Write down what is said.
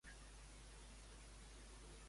De quina forma solien cuinar allà?